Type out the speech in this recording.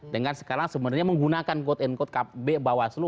dengan sekarang sebenarnya menggunakan kode nkode b bawas lu